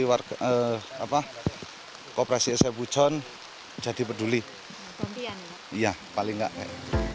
apa koperasi sae pujon jadi peduli iya paling enggak